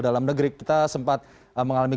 dalam negeri kita sempat mengalami